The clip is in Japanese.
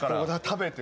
食べて。